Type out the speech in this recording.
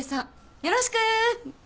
よろしく。